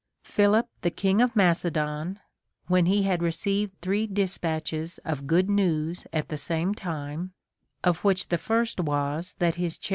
Philip the king of Mace don, when he had received three despatches of good news at the same time, of Avhich the first was that his chariots * Odvss.